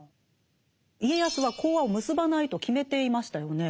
家康は講和を結ばないと決めていましたよね。